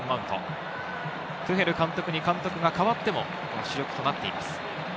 トゥヘル監督に監督が代わっても主力となっています。